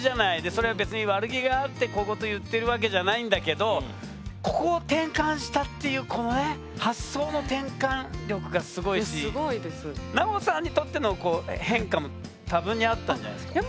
それは別に悪気があって小言言ってるわけじゃないんだけどここを転換したっていうこのね奈緒さんにとっての変化も多分にあったんじゃないですか？